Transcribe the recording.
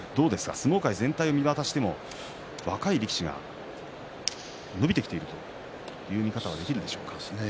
相撲界全体を見渡しても若い力士が伸びてきているという見方ができるでしょうか。